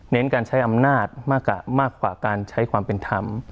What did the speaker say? การใช้อำนาจมากกว่าการใช้ความเป็นธรรม